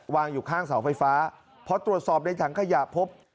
อยู่ข้างเสาไฟฟ้าพอตรวจสอบในถังขยะพบ